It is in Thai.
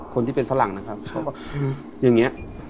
คนที่เป็นฝรั่งนะครับ